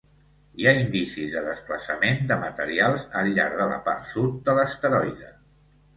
Hi ha indicis de desplaçament de materials al llarg de la part sud de l'asteroide.